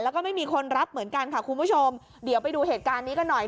แล้วก็ไม่มีคนรับเหมือนกันค่ะคุณผู้ชมเดี๋ยวไปดูเหตุการณ์นี้กันหน่อย